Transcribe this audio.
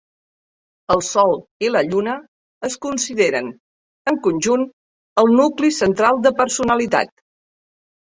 El Sol i la Lluna es consideren, en conjunt, el nucli central de personalitat.